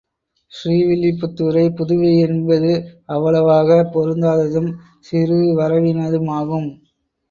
ஸ்ரீ வில்லிபுத்தூரைப் புதுவை என்பது அவ்வளவாகப் பொருந்தாததும் சிறுவரவினதுமாகும்.